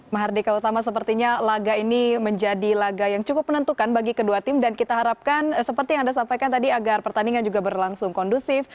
mahardika utama sepertinya laga ini menjadi laga yang cukup menentukan bagi kedua tim dan kita harapkan seperti yang anda sampaikan tadi agar pertandingan juga berlangsung kondusif